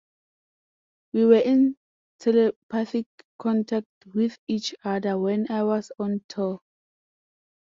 We were in telepathic contact with each other when I was on tour.